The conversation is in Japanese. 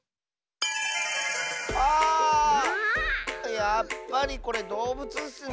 やっぱりこれどうぶつッスね。